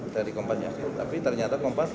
dari kompasnya tapi ternyata kompas